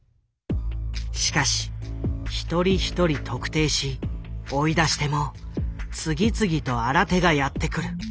しかし一人一人特定し追い出しても次々と新手がやって来る。